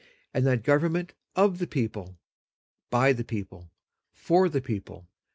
and that government of the people. . .by the people. . .for the people. .